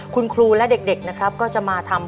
คุณครูและเด็กนะครับก็จะมาทำ